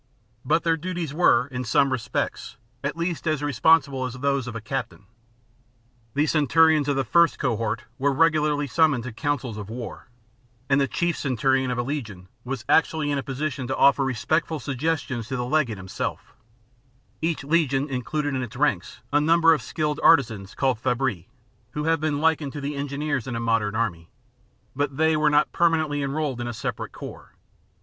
But their duties were, in some respects, at least as responsible as those of a captain. The centurions of the first cohort were regularly summoned to councils of war ; and the chief centurion of a legion was actually in a posi tion to offer respectful suggestions to the legate himself Every legion included in its ranks a xviii INTRODUCTION number of skilled artisans, called fabric who have been likened to the engineers in a modern army ; but they were not permanently enrolled in a separate corps.